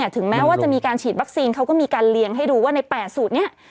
ถึงแม้ว่าจะมีการฉีดวัคซีนเขาก็มีการเลี้ยงให้ดูว่าใน๘สูตรนี้